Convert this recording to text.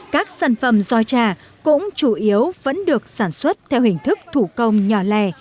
các sản phẩm doi trà cũng chủ yếu vẫn được sản xuất theo hình thức thủ công nhỏ lè